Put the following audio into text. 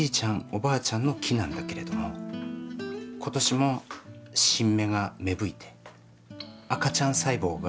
おばあちゃんの木なんだけれども今年も新芽が芽吹いて赤ちゃん細胞が生まれてるんです。